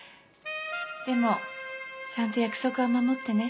でもちゃんと約束は守ってね。